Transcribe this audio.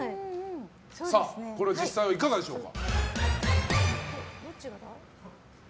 これ、実際はいかがでしょうか。